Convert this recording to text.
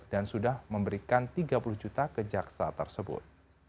dan sudah memberikan tiga puluh juta ke jaksa tersebut